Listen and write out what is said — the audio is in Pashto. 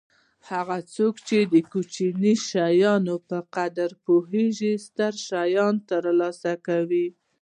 هغه څوک چې د کوچني شي په قدر پوهېږي ستر شیان ترلاسه کوي.